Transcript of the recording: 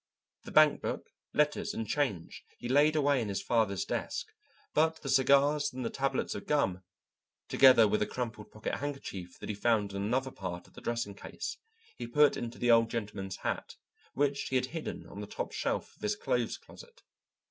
The bank book, letters, and change he laid away in his father's desk, but the cigars and the tablets of gum, together with the crumpled pocket handkerchief that he found on another part of the dressing case, he put into the Old Gentleman's hat, which he had hidden on the top shelf of his clothes closet.